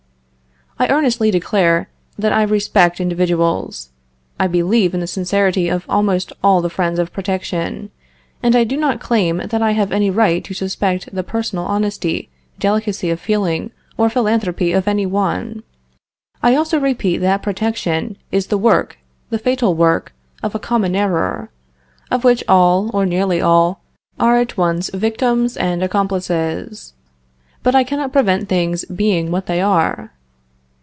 I earnestly declare that I respect individuals; I believe in the sincerity of almost all the friends of Protection, and I do not claim that I have any right to suspect the personal honesty, delicacy of feeling, or philanthropy of any one. I also repeat that Protection is the work, the fatal work, of a common error, of which all, or nearly all, are at once victims and accomplices. But I cannot prevent things being what they are.